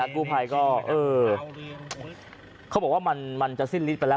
กู้ภัยก็เขาบอกว่ามันจะสิ้นฤทธิไปแล้ว